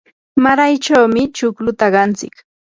maraychawmi chukluta aqantsik.